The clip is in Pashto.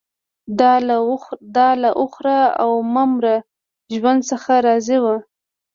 دا له وخوره او مه مره ژوند څخه راضي وو